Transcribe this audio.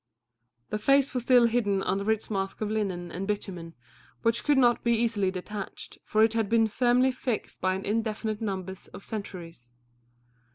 The face was still hidden under its mask of linen and bitumen, which could not be easily detached, for it had been firmly fixed by an indefinite number of centuries.